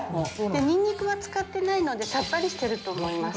ニンニクは使ってないのでさっぱりしてると思います。